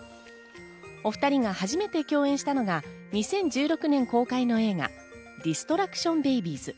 お２人が初めて共演したのが２０１６年公開の映画『ディストラクション・ベイビーズ』。